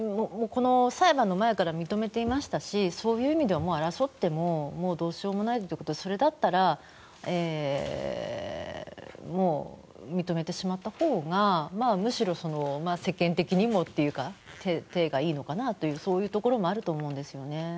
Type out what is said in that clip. この裁判の前から認めていましたしそういう意味ではもう争ってもどうしようもないということでそれだったらもう認めてしまったほうがむしろ世間的にもというか体がいいのかなとそういうところもあると思うんですよね。